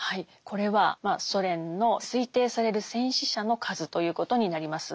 これはまあソ連の推定される戦死者の数ということになります。